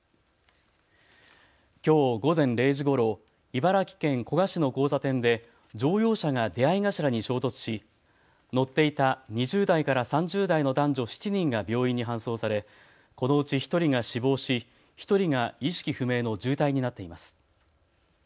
きょう午前０時ごろ茨城県古河市の交差点で乗用車が出合い頭に衝突し、乗っていた２０代から３０代の男女７人が病院に搬送され、このうち１人が死亡し、１人が意識不明の重体になっています。